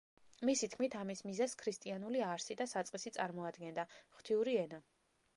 მისი თქმით ამის მიზეზს ქრისტიანული არსი და საწყისი წარმოადგენდა, ღვთიური ენა.